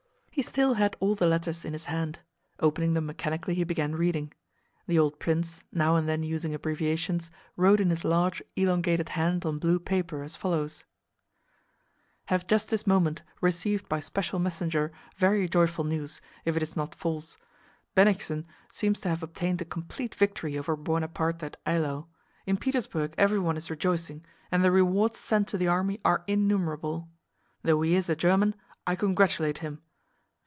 He still had all the letters in his hand. Opening them mechanically he began reading. The old prince, now and then using abbreviations, wrote in his large elongated hand on blue paper as follows: Have just this moment received by special messenger very joyful news—if it's not false. Bennigsen seems to have obtained a complete victory over Buonaparte at Eylau. In Petersburg everyone is rejoicing, and the rewards sent to the army are innumerable. Though he is a German—I congratulate him!